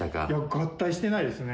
合体してないですね。